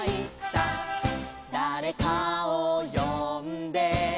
「だれかをよんで」